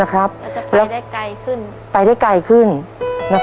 นะครับแล้วจะไปได้ไกลขึ้นไปได้ไกลขึ้นนะครับ